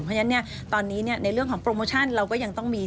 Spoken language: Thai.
เพราะฉะนั้นตอนนี้ในเรื่องของโปรโมชั่นเราก็ยังต้องมี